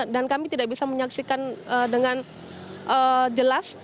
dan kami tidak bisa menyaksikan dengan jelas